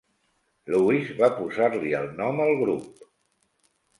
Lewis va posar-li el nom al grup.